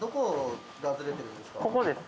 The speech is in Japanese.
ここです。